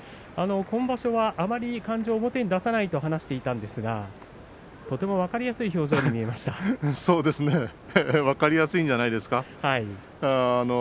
今場所はあまり感情を出さないと言っていたんですがとても分かりやすい表情に分かりやすいんじゃないですか。